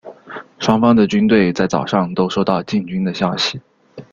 双方的军队在早上都收到进军的消息。